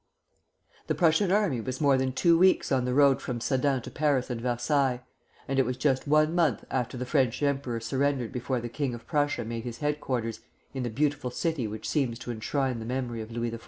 The Prussian army was more than two weeks on the road from Sedan to Paris and Versailles, and it was just one month after the French emperor surrendered before the king of Prussia made his headquarters in the beautiful city which seems to enshrine the memory of Louis XIV.